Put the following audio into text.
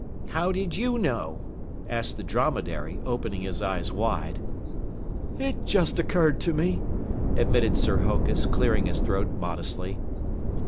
"How did you know?" asked the Dromedary, opening his eyes wide. "It just occurred to me," admitted Sir Hokus, clearing his throat modestly.